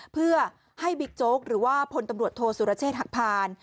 เพื่อให้บิ๊กโจ๊กหรือว่าพลตำรวจโทษสุรเชษฐหักพาน